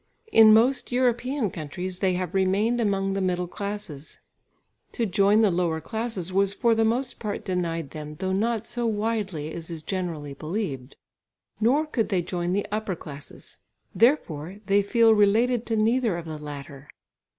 In most European countries they have remained among the middle classes; to join the lower classes was for the most part denied them, though not so widely as is generally believed. Nor could they join the upper classes; therefore they feel related to neither of the latter.